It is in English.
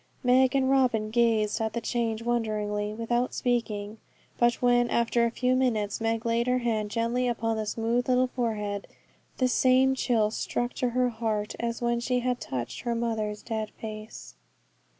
Meg and Robin gazed at the change wonderingly without speaking; but when after a few minutes Meg laid her hand gently upon the smooth little forehead, the same chill struck to her heart as when she had touched her mother's dead face.